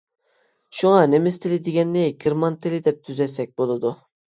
شۇڭا، ‹ ‹نېمىس تىلى› › دېگەننى گېرمان تىلى دەپ تۈزەتسەك بولىدۇ.